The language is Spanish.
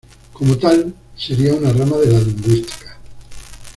Como tal, sería una rama de la lingüística.